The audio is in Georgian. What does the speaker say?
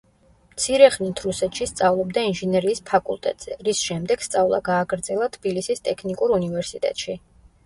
მცირე ხნით რუსეთში სწავლობდა ინჟინერიის ფაკულტეტზე, რის შემდეგ სწავლა გააგრძელა თბილისის ტექნიკურ უნივერსიტეტში.